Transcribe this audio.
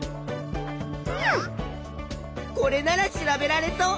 これなら調べられそう。